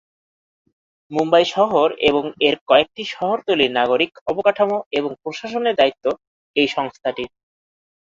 মুম্বাই শহর এবং এর কয়েকটি শহরতলির নাগরিক অবকাঠামো এবং প্রশাসনের দায়িত্ব এই সংস্থাটির।